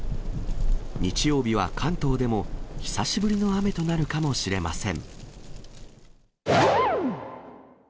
日曜日は関東でも久しぶりの雨となるかもしれません。